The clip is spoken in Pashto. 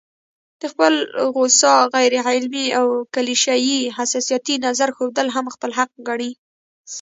د خپل خوسا، غيرعلمي او کليشه يي حساسيتي نظر ښودل هم خپل حق ګڼي